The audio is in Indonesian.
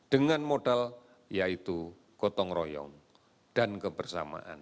dengan modal yaitu gotong royong dan kebersamaan